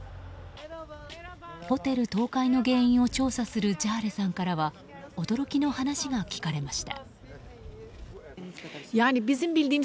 ホテル倒壊の原因を調査するジャーレさんからは驚きの話が聞かれました。